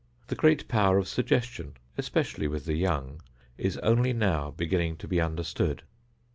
The great power of suggestion, especially with the young, is only now beginning to be understood.